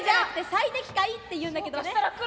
最適解っていうんだけどね。